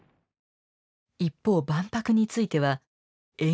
一方万博については延期。